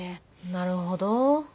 なるほど。